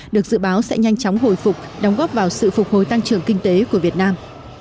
được dự báo sẽ nhanh chóng hồi phục đóng góp vào sự phục hồi tăng trưởng kinh tế của việt nam